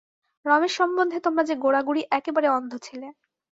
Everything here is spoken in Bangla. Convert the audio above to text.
রমেশ সম্বন্ধে তোমরা যে গোড়াগুড়ি একেবারে অন্ধ ছিলে।